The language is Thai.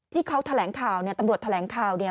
ที่เขาแถลงข่าวเนี่ยตำรวจแถลงข่าวเนี่ย